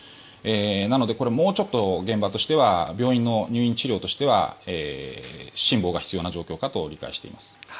なので、これはもうちょっと現場としては病院の入院治療としては辛抱が必要な状況かと理解しています。